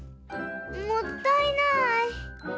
もったいない！